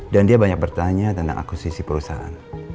dan dia banyak bertanya tentang akusisi perusahaan